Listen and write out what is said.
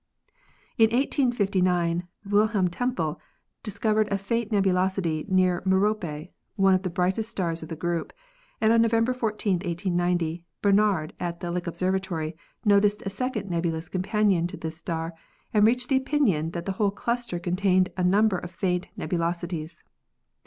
In 1859 Wilhelm Tempel discovered a faint nebulosity near Merope, one of the brighter stars of the group, and on November 14, 1890, Barnard at the Lick Observatory noticed a second nebulous companion to this star and reached the opinion that the whole cluster contained a number of faint nebulosities.